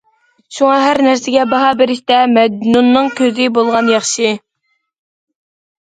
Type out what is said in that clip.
شۇڭا ھەر نەرسىگە باھا بېرىشتە‹‹ مەجنۇننىڭ كۆزى›› بولغان ياخشى!